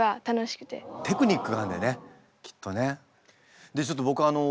テクニックがあるんだよねきっとね。